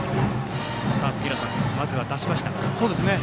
杉浦さん、まずは出しましたね。